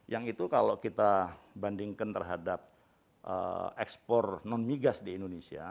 yang itu kalau kita bandingkan terhadap ekspor non migas di indonesia